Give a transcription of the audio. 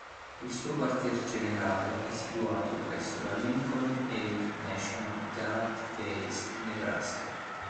Il suo quartier generale è situato presso la Lincoln Air National Guard Base, Nebraska.